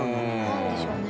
何でしょうね？